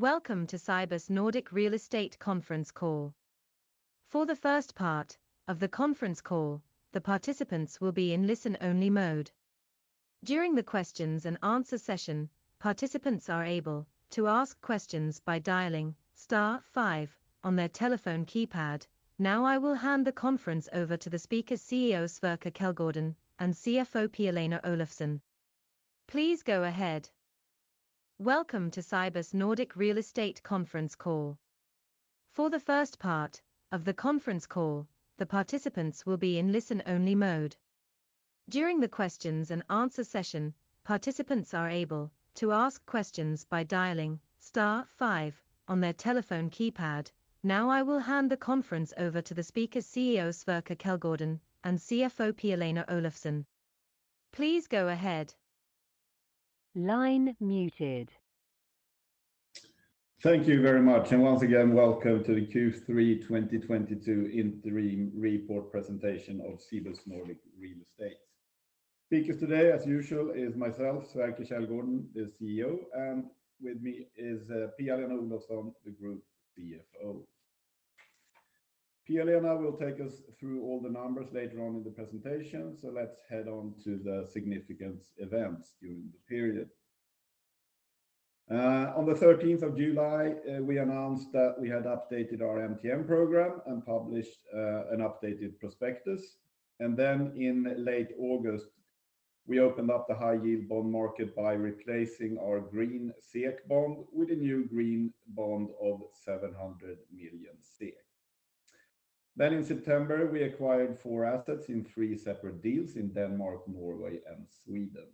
Welcome to Cibus Nordic Real Estate conference call. For the first part of the conference call, the participants will be in listen only mode. During the questions and answer session, participants are able to ask questions by dialing star five on their telephone keypad. Now I will hand the conference over to the speaker CEO Sverker Källgården and CFO Pia-Lena Olofsson. Please go ahead. Thank you very much. Once again, welcome to the Q3 2022 interim report presentation of Cibus Nordic Real Estate. Speakers today, as usual, is myself, Sverker Källgården, the CEO, and with me is Pia-Lena Olofsson, the group CFO. Pia-Lena will take us through all the numbers later on in the presentation. Let's head on to the significant events during the period. On the thirteenth of July, we announced that we had updated our MTN program and published an updated prospectus. In late August, we opened up the high yield bond market by replacing our green SEK bond with a new green bond of SEK 700 million. In September, we acquired four assets in three separate deals in Denmark, Norway, and Sweden.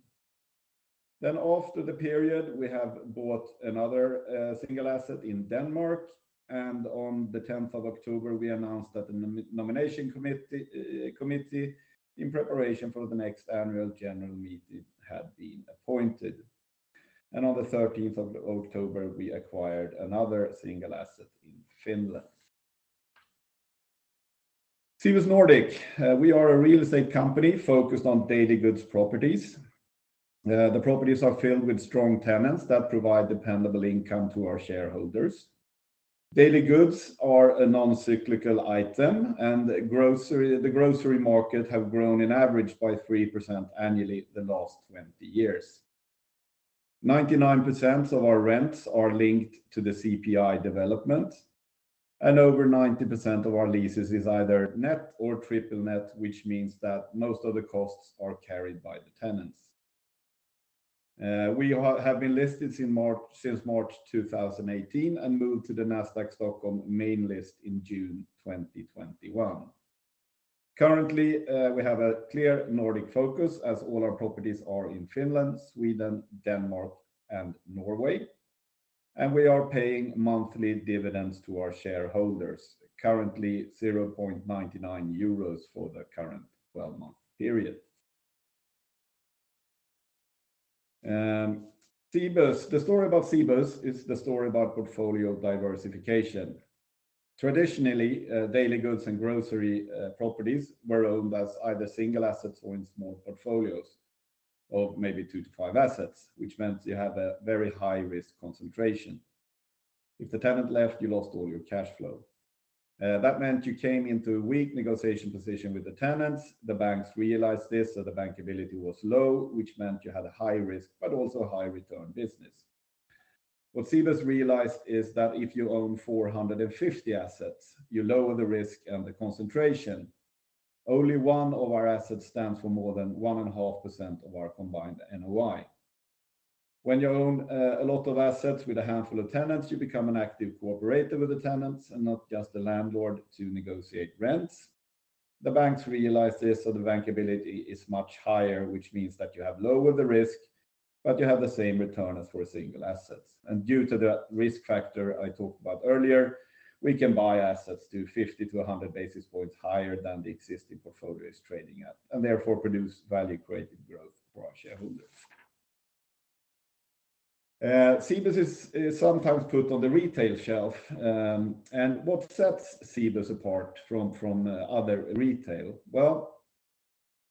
After the period, we have bought another single asset in Denmark. On the tenth of October, we announced that the nomination committee in preparation for the next annual general meeting had been appointed. On the thirteenth of October, we acquired another single asset in Finland. Cibus Nordic, we are a real estate company focused on daily goods properties. The properties are filled with strong tenants that provide dependable income to our shareholders. Daily goods are a non-cyclical item, and the grocery market have grown in average by 3% annually the last 20 years. 99% of our rents are linked to the CPI development, and over 90% of our leases is either net or triple net, which means that most of the costs are carried by the tenants. We have been listed since March, since March 2018 and moved to the Nasdaq Stockholm main list in June 2021. Currently, we have a clear Nordic focus as all our properties are in Finland, Sweden, Denmark, and Norway. We are paying monthly dividends to our shareholders, currently 0.99 euros for the current twelve-month period. Cibus. The story about Cibus is the story about portfolio diversification. Traditionally, daily goods and grocery properties were owned as either single assets or in small portfolios of maybe 2-5 assets, which meant you have a very high-risk concentration. If the tenant left, you lost all your cash flow. That meant you came into a weak negotiation position with the tenants. The banks realized this, so the bankability was low, which meant you had a high risk, but also a high return business. What Cibus realized is that if you own 450 assets, you lower the risk and the concentration. Only one of our assets stands for more than 1.5% of our combined NOI. When you own a lot of assets with a handful of tenants, you become an active cooperator with the tenants and not just the landlord to negotiate rents. The banks realize this, so the bankability is much higher, which means that you have lower the risk, but you have the same return as for a single asset. Due to the risk factor I talked about earlier, we can buy assets to 50-100 basis points higher than the existing portfolio is trading at, and therefore produce value-created growth for our shareholders. Cibus is sometimes put on the retail shelf. What sets Cibus apart from other retail? Well,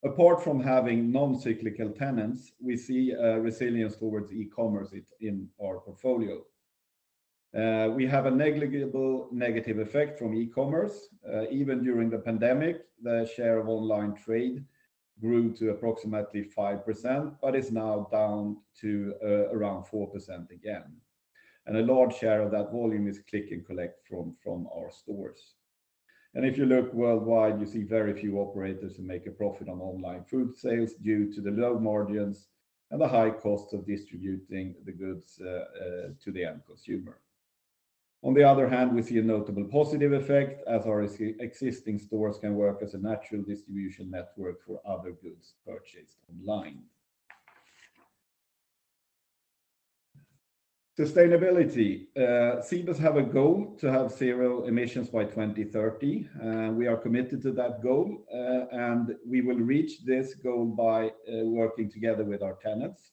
apart from having non-cyclical tenants, we see a resilience towards e-commerce in our portfolio. We have a negligible negative effect from e-commerce. Even during the pandemic, the share of online trade grew to approximately 5%, but is now down to around 4% again. A large share of that volume is click and collect from our stores. If you look worldwide, you see very few operators who make a profit on online food sales due to the low margins and the high cost of distributing the goods to the end consumer. On the other hand, we see a notable positive effect as our existing stores can work as a natural distribution network for other goods purchased online. Sustainability. Cibus have a goal to have zero emissions by 2030. We are committed to that goal, and we will reach this goal by working together with our tenants,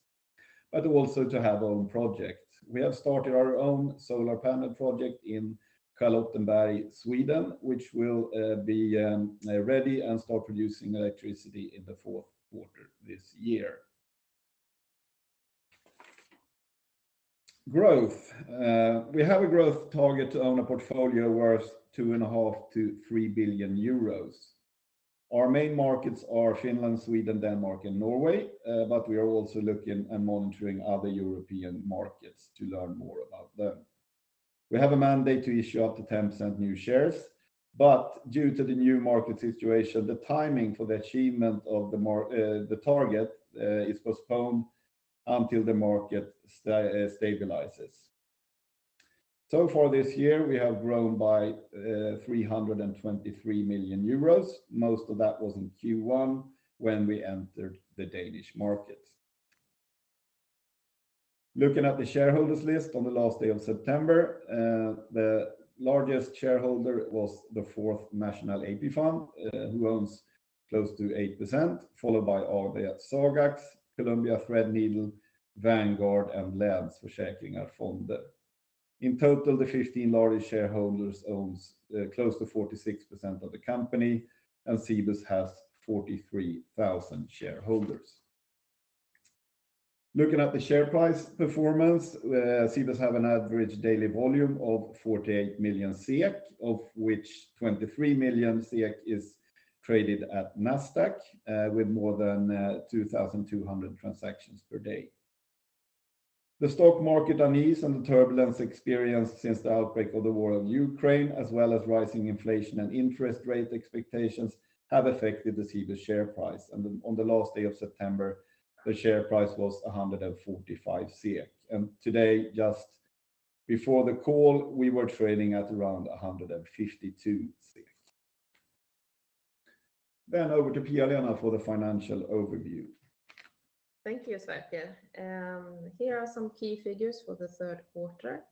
but also to have own projects. We have started our own solar panel project in Charlottenberg, Sweden, which will be ready and start producing electricity in the fourth quarter this year. Growth. We have a growth target to own a portfolio worth 2.5 billion-3 billion euros. Our main markets are Finland, Sweden, Denmark, and Norway, but we are also looking and monitoring other European markets to learn more about them. We have a mandate to issue up to 10% new shares, but due to the new market situation, the timing for the achievement of the target is postponed until the market stabilizes. For this year, we have grown by 323 million euros. Most of that was in Q1 when we entered the Danish market. Looking at the shareholders list on the last day of September, the largest shareholder was the Fourth Swedish National Pension Fund, who owns close to 8%, followed by AB Sagax, Columbia Threadneedle Investments, The Vanguard Group, and Länsförsäkringar Fonder. In total, the 15 largest shareholders owns close to 46% of the company, and Cibus has 43,000 shareholders. Looking at the share price performance, Cibus have an average daily volume of 48 million, of which 23 million is traded at Nasdaq, with more than 2,200 transactions per day. The stock market unease and the turbulence experienced since the outbreak of the war in Ukraine, as well as rising inflation and interest rate expectations, have affected the Cibus share price. On the last day of September, the share price was 145. Today, just before the call, we were trading at around 152. Over to Pia-Lena for the financial overview. Thank you, Sverker. Here are some key figures for the third quarter.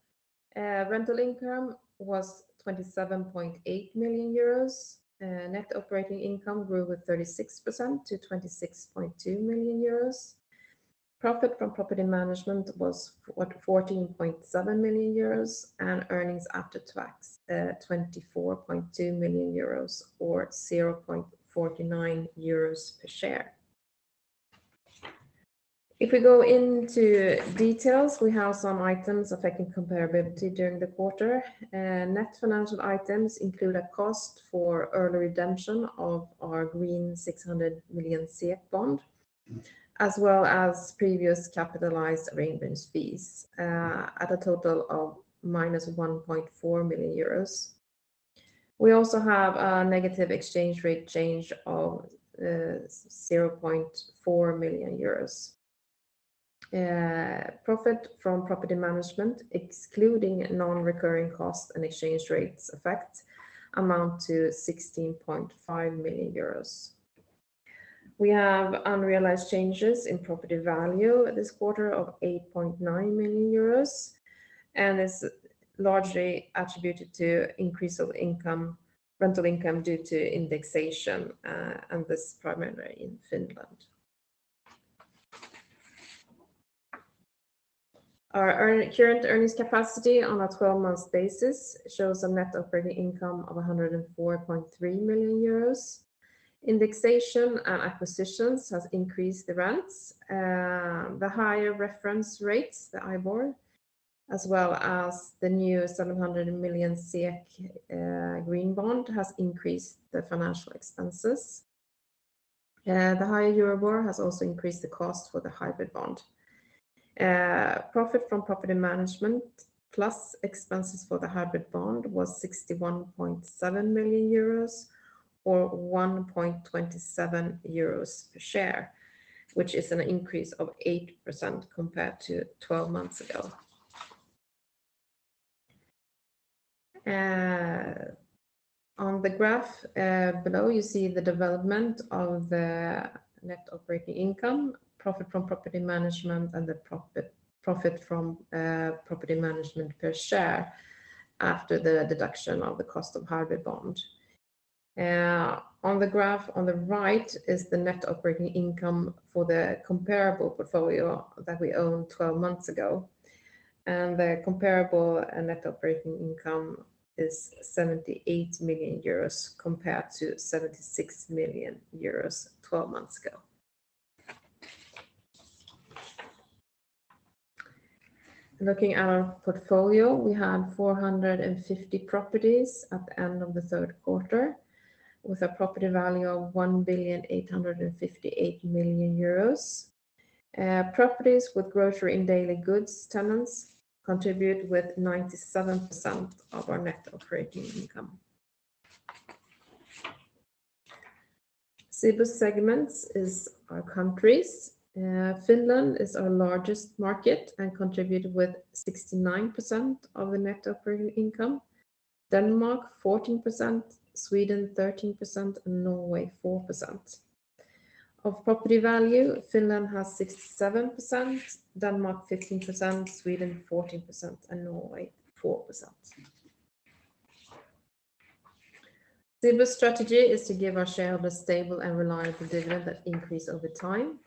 Rental income was 27.8 million euros. Net operating income grew with 36% to 26.2 million euros. Profit from property management was 14.7 million euros, and earnings after tax, 24.2 million euros, or 0.49 euros per share. If we go into details, we have some items affecting comparability during the quarter. Net financial items include a cost for early redemption of our green 600 million bond, as well as previous capitalized arrangement fees, at a total of -1.4 million euros. We also have a negative exchange rate change of 0.4 million euros. Profit from property management, excluding non-recurring costs and exchange rates effect, amount to 16.5 million euros. We have unrealized changes in property value this quarter of 8.9 million euros, and it's largely attributed to increase of income, rental income due to indexation, and this primarily in Finland. Our current earnings capacity on a 12-month basis shows a net operating income of 104.3 million euros. Indexation and acquisitions has increased the rents. The higher reference rates, the IBOR, as well as the new 700 million SEK green bond has increased the financial expenses. The higher Euribor has also increased the cost for the hybrid bond. Profit from property management plus expenses for the hybrid bond was 61.7 million euros, or 1.27 euros per share, which is an increase of 8% compared to 12 months ago. On the graph below, you see the development of the net operating income, profit from property management, and the profit from property management per share after the deduction of the cost of hybrid bond. On the graph on the right is the net operating income for the comparable portfolio that we owned twelve months ago. The comparable net operating income is 78 million euros compared to 76 million euros twelve months ago. Looking at our portfolio, we had 450 properties at the end of the third quarter, with a property value of 1,858 million euros. Properties with grocery and daily goods tenants contribute with 97% of our net operating income. Cibus segments in our countries. Finland is our largest market and contributed with 69% of the net operating income. Denmark, 14%, Sweden, 13%, and Norway, 4%. Of property value, Finland has 67%, Denmark, 15%, Sweden, 14%, and Norway, 4%. Cibus strategy is to give our shareholders stable and reliable dividend that increase over time.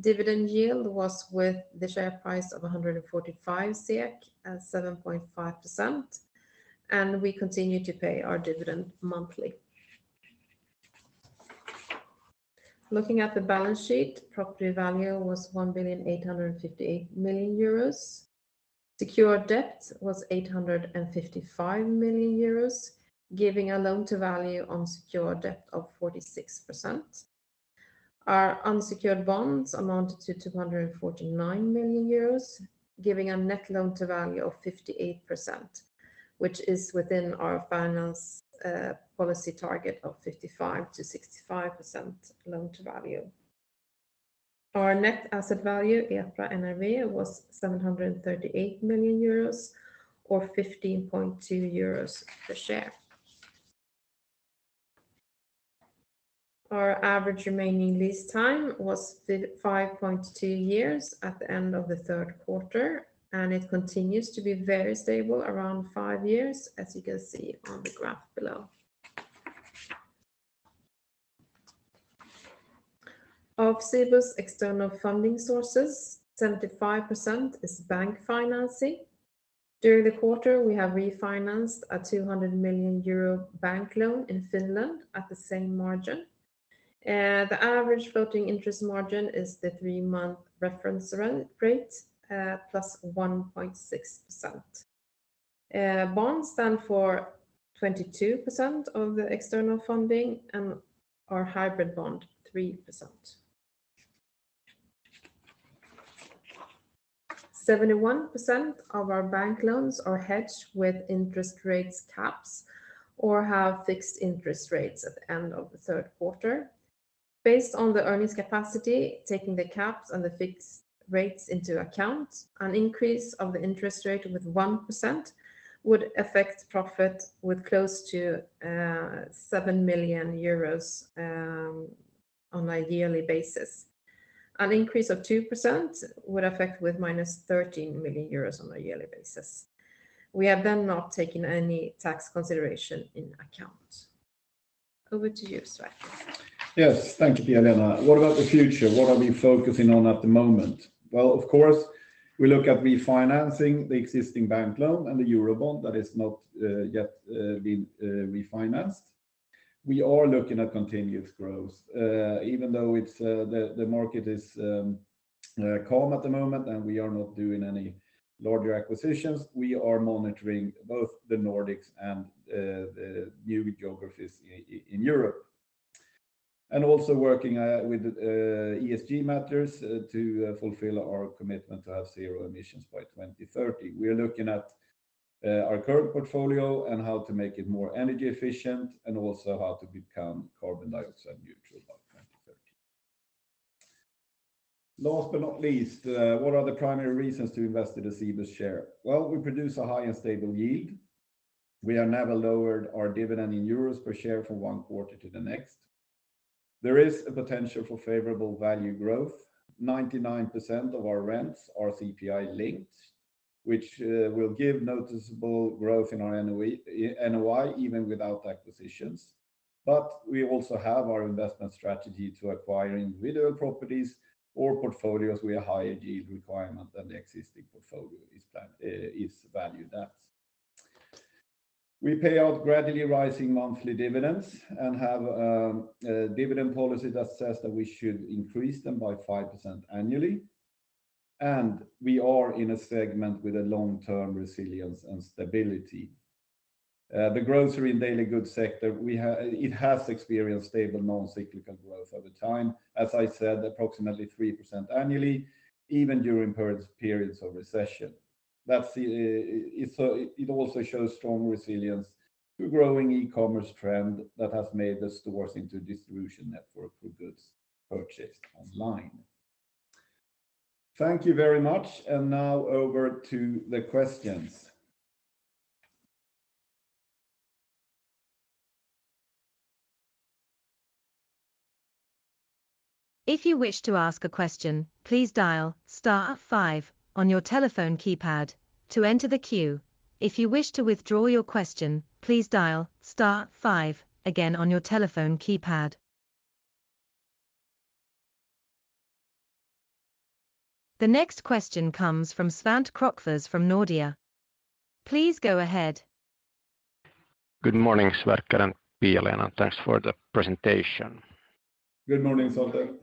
Dividend yield was, with the share price of 145 SEK, at 7.5%, and we continue to pay our dividend monthly. Looking at the balance sheet, property value was 1,858 million euros. Secured debt was 855 million euros, giving a loan to value on secure debt of 46%. Our unsecured bonds amounted to 249 million euros, giving a net loan to value of 58%, which is within our finance policy target of 55%-65% loan to value. Our net asset value, EPRA NRV, was 738 million euros or 15.2 euros per share. Our average remaining lease time was 5.2 years at the end of the third quarter, and it continues to be very stable, around five years, as you can see on the graph below. Of Cibus external funding sources, 75% is bank financing. During the quarter, we have refinanced a 200 million euro bank loan in Finland at the same margin. The average floating interest margin is the three-month reference rate plus 1.6%. Bonds stand for 22% of the external funding and our hybrid bond, 3%. 71% of our bank loans are hedged with interest rate caps or have fixed interest rates at the end of the third quarter. Based on the earnings capacity, taking the caps and the fixed rates into account, an increase of the interest rate with 1% would affect profit with close to 7 million euros on a yearly basis. An increase of 2% would affect with -13 million euros on a yearly basis. We have then not taken any tax consideration into account. Over to you, Sverker. Yes. Thank you, Pia-Lena. What about the future? What are we focusing on at the moment? Well, of course, we look at refinancing the existing bank loan and the euro bond that has not yet been refinanced. We are looking at continuous growth. Even though the market is calm at the moment and we are not doing any larger acquisitions, we are monitoring both the Nordics and the new geographies in Europe. We are also working with ESG matters to fulfill our commitment to have zero emissions by 2030. We are looking at our current portfolio and how to make it more energy efficient and also how to become carbon dioxide neutral by 2030. Last but not least, what are the primary reasons to invest in the Cibus share? Well, we produce a high and stable yield. We have never lowered our dividend in euros per share from one quarter to the next. There is a potential for favorable value growth. 99% of our rents are CPI linked, which will give noticeable growth in our NOI even without acquisitions. We also have our investment strategy to acquire individual properties or portfolios with a higher yield requirement than the existing portfolio is valued at. We pay out gradually rising monthly dividends and have a dividend policy that says that we should increase them by 5% annually, and we are in a segment with a long-term resilience and stability. The grocery and daily goods sector has experienced stable, non-cyclical growth over time. As I said, approximately 3% annually, even during periods of recession. It also shows strong resilience to growing e-commerce trend that has made the stores into distribution network for goods purchased online. Thank you very much. Now over to the questions. If you wish to ask a question, please dial star five on your telephone keypad to enter the queue. If you wish to withdraw your question, please dial star five again on your telephone keypad. The next question comes from Svante Krokfors from Nordea. Please go ahead. Good morning, Sverker and Pia-Lena. Thanks for the presentation. Good morning, Svante.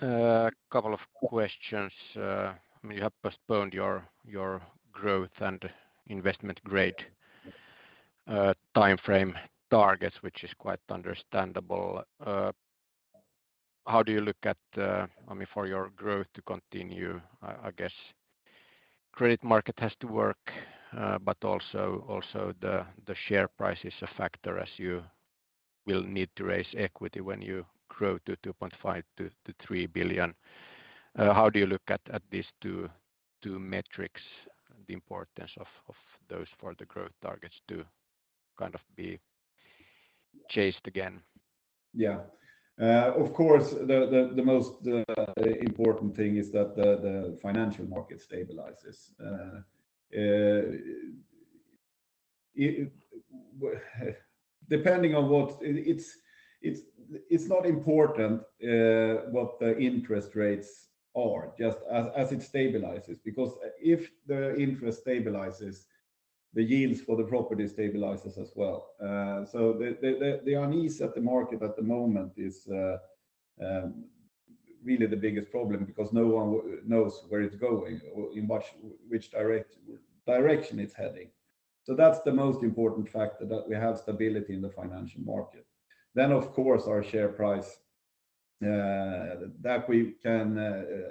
A couple of questions. You have postponed your growth and investment grade timeframe targets, which is quite understandable. How do you look at, I mean, for your growth to continue, I guess credit market has to work, but also the share price is a factor as you will need to raise equity when you grow to 2.5 billion-3 billion. How do you look at these two metrics, the importance of those for the growth targets to kind of be chased again? Of course, the most important thing is that the financial market stabilizes. It's not important what the interest rates are, just as it stabilizes. Because if the interest stabilizes, the yields for the property stabilizes as well. The unease in the market at the moment is really the biggest problem because no one knows where it's going or in which direction it's heading. That's the most important factor, that we have stability in the financial market. Of course our share price, that we can,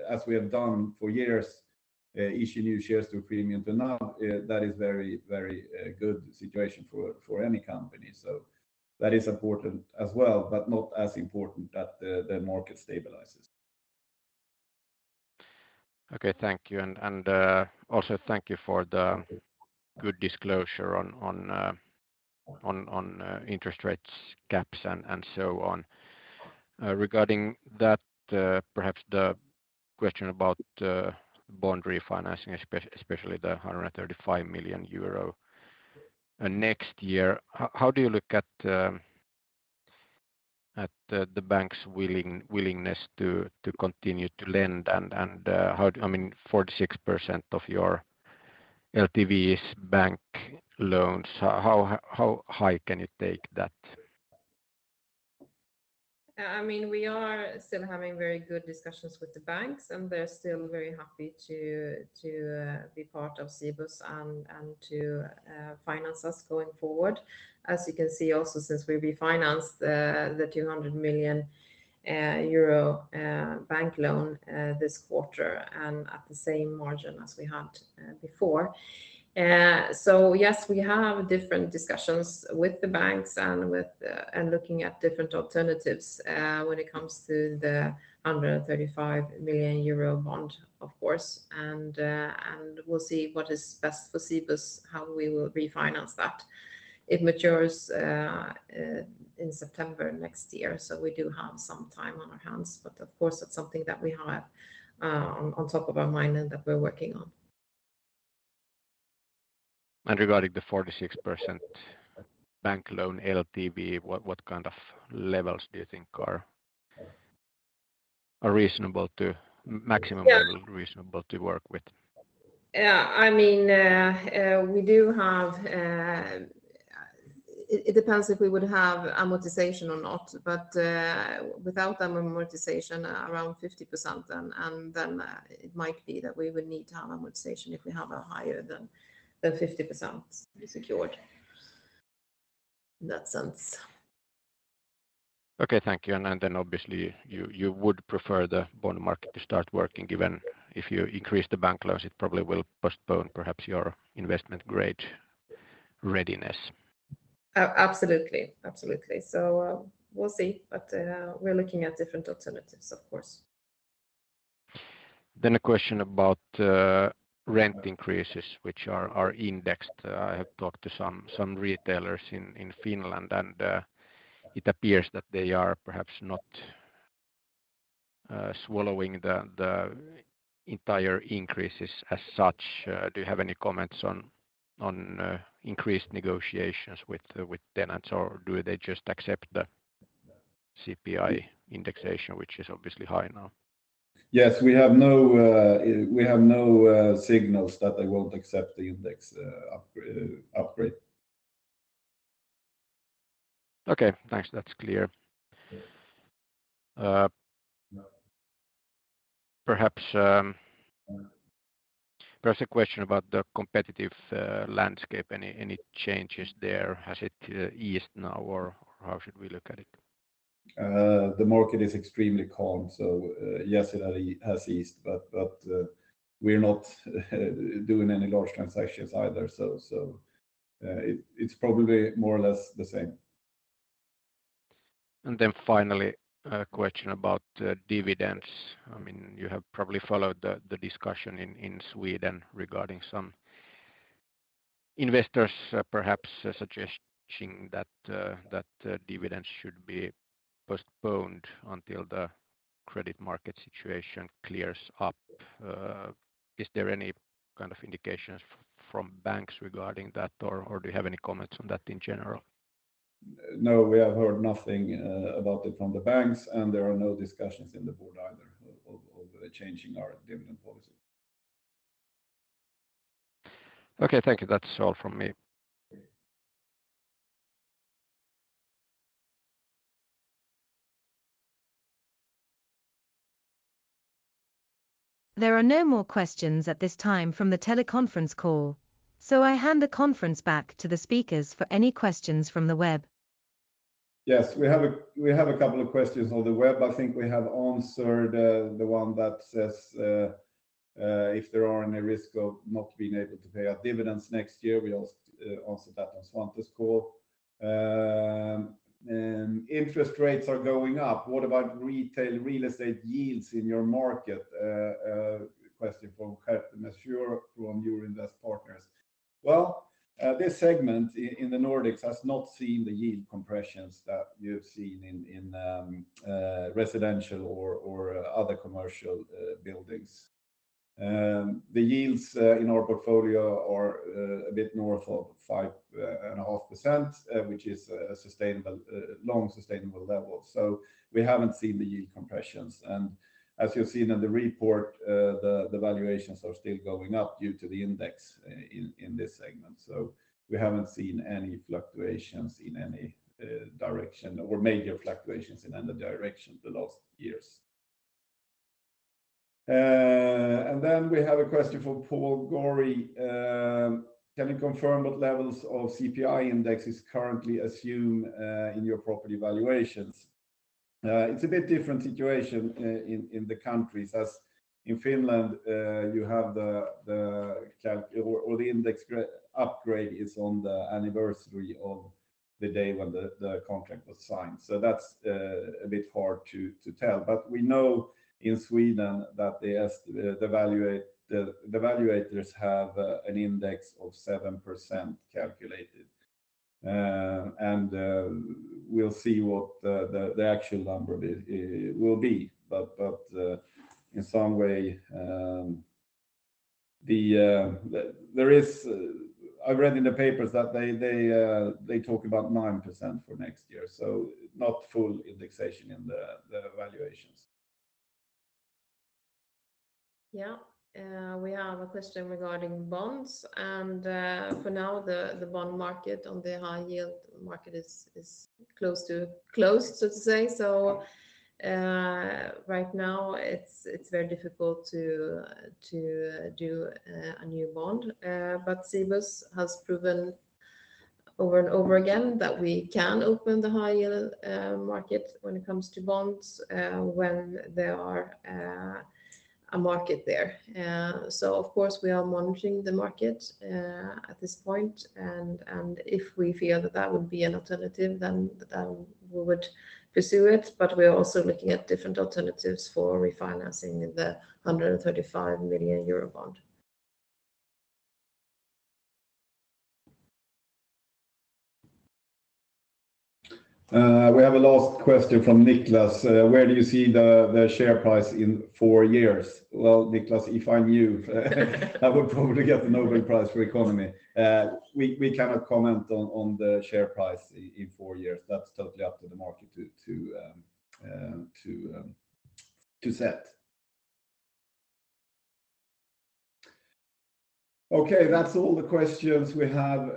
as we have done for years, issue new shares at premium to NAV, that is very good situation for any company. That is important as well, but not as important that the market stabilizes. Okay, thank you. Also thank you for the good disclosure on interest rates gaps and so on. Regarding that, perhaps the question about bond refinancing, especially the 135 million euro next year, how do you look at the bank's willingness to continue to lend and, I mean, 46% of your LTVs bank loans, how high can you take that? I mean, we are still having very good discussions with the banks, and they're still very happy to be part of Cibus and to finance us going forward. As you can see also since we refinanced the 200 million euro bank loan this quarter and at the same margin as we had before. Yes, we have different discussions with the banks and looking at different alternatives when it comes to the 135 million euro bond, of course. We'll see what is best for Cibus, how we will refinance that. It matures in September next year, so we do have some time on our hands, but of course that's something that we have on top of our mind and that we're working on. Regarding the 46% bank loan LTV, what kind of levels do you think are reasonable to maximum level? Yeah. reasonable to work with? I mean, it depends if we would have amortization or not. Without amortization, around 50% then. It might be that we would need to have amortization if we have a higher than 50% secured in that sense. Okay, thank you. Obviously you would prefer the bond market to start working, given if you increase the bank loans, it probably will postpone perhaps your investment grade readiness. Absolutely. We'll see. We're looking at different alternatives, of course. A question about rent increases, which are indexed. I have talked to some retailers in Finland, and it appears that they are perhaps not swallowing the entire increases as such. Do you have any comments on increased negotiations with tenants, or do they just accept the CPI indexation, which is obviously high now? Yes, we have no signals that they won't accept the index upgrade. Okay, thanks. That's clear. Perhaps a question about the competitive landscape. Any changes there? Has it eased now, or how should we look at it? The market is extremely calm. Yes, it has eased, but we're not doing any large transactions either. It's probably more or less the same. Finally, a question about dividends. I mean, you have probably followed the discussion in Sweden regarding some investors perhaps suggesting that dividends should be postponed until the credit market situation clears up. Is there any kind of indications from banks regarding that, or do you have any comments on that in general? No, we have heard nothing about it from the banks, and there are no discussions in the board either of changing our dividend policy. Okay, thank you. That's all from me. There are no more questions at this time from the teleconference call, so I hand the conference back to the speakers for any questions from the web. Yes. We have a couple of questions on the web. I think we have answered the one that says if there are any risk of not being able to pay our dividends next year. We answered that on Svante's call. Interest rates are going up. What about retail real estate yields in your market? The yields in our portfolio are a bit north of 5.5%, which is a sustainable long sustainable level. We haven't seen the yield compressions. As you'll see in the report, the valuations are still going up due to the indexation in this segment. We haven't seen any fluctuations in any direction or major fluctuations in any direction the last years. Then we have a question from Paul Gori. Can you confirm what levels of CPI index is currently assumed in your property valuations? It's a bit different situation in the countries, as in Finland, you have the index upgrade is on the anniversary of the day when the contract was signed. That's a bit hard to tell. We know in Sweden that the valuators have an index of 7% calculated. We'll see what the actual number it will be. In some way, I read in the papers that they talk about 9% for next year, so not full indexation in the valuations. Yeah. We have a question regarding bonds and, for now, the bond market on the high yield market is close to closed, so to say. Right now it's very difficult to do a new bond. Cibus has proven over and over again that we can open the high yield market when it comes to bonds, when there is a market there. Of course we are monitoring the market at this point and if we feel that that would be an alternative then we would pursue it. We are also looking at different alternatives for refinancing the 135 million euro bond. We have a last question from Nicholas. Where do you see the share price in four years? Well, Nicholas, if I knew I would probably get the Nobel Prize in Economics. We cannot comment on the share price in four years. That's totally up to the market to set. Okay. That's all the questions we have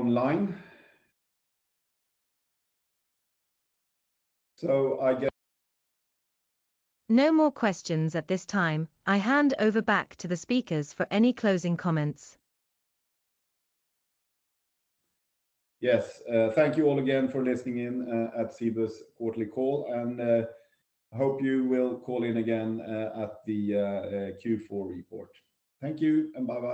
online. I guess. No more questions at this time. I hand over back to the speakers for any closing comments. Yes. Thank you all again for listening in at Cibus quarterly call and hope you will call in again at the Q4 report. Thank you and bye-bye.